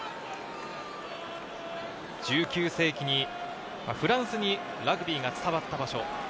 １９世紀にフランスにラグビーが伝わった場所。